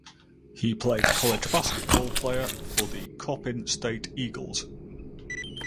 He played college basketball player for the Coppin State Eagles.